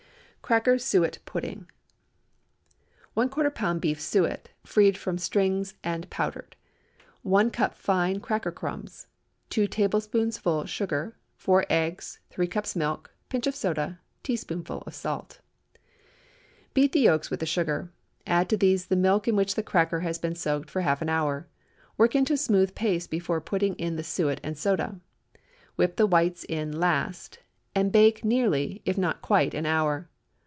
CRACKER SUET PUDDING. ✠ ¼ lb. beef suet, freed from strings, and powdered. 1 cup fine cracker crumbs. 2 tablespoonfuls sugar. 4 eggs. 3 cups milk. Pinch of soda. 1 teaspoonful salt. Beat the yolks with the sugar; add to these the milk in which the cracker has been soaked for half an hour; work into a smooth paste before putting in the suet and soda. Whip the whites in last, and bake nearly, if not quite an hour.